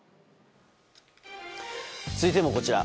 続いてもこちら。